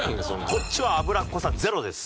こっちは油っこさゼロです。